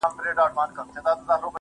هغه په ژړا ستغ دی چي يې هيڅ نه ژړل,